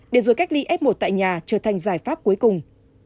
để rồi cách ly f một tại nhà trở thành giải pháp cuối cùng